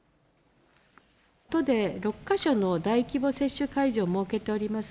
都で、６か所の大規模接種会場を設けております。